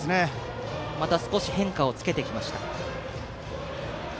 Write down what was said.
また少し変化をつけてきた。